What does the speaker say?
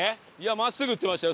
真っすぐって言ってましたよ。